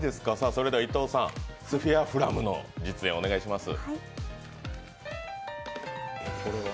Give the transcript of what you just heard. それでは伊藤さん、スフィアフラムの実演をお願いします。